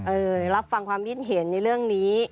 รับฟังความคิดเห็นในเรื่องนี้